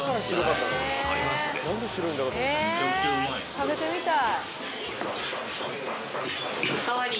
食べてみたい。